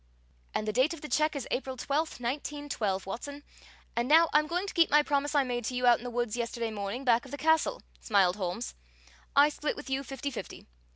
"And the date of the check is April 12, 1912, Watson. And now I'm going to keep my promise I made to you out in the woods yesterday morning back of the castle," smiled Holmes, "I split with you fifty fifty.